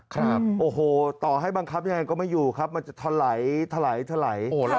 ครับโอ้โหต่อให้บังคับยังไงก็ไม่อยู่ครับมันจะทะไหลทะไหลทะไหลโอ้